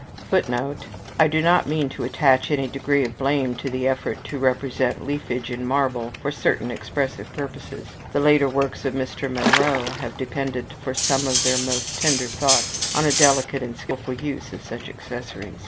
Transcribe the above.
[Footnote: I do not mean to attach any degree of blame to the effort to represent leafage in marble for certain expressive purposes. The later works of Mr. Munro have depended for some of their most tender thoughts on a delicate and skilful use of such accessories.